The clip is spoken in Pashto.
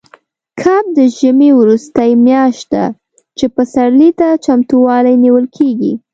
کب د ژمي وروستۍ میاشت ده، چې پسرلي ته چمتووالی نیول کېږي.